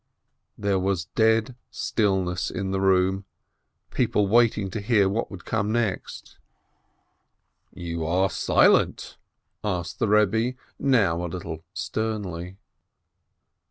There was dead stillness in the room, people waiting to hear what would come next. THE SINNER 539 "You are silent?" asked the Rebbe, now a little sternly.